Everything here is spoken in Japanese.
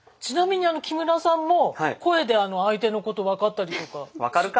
ちなみに木村さんも声で相手のこと分かったりとか。